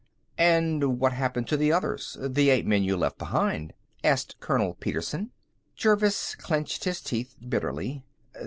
"And what happened to the others the eight men you left behind?" asked Colonel Petersen. Jervis clenched his teeth bitterly.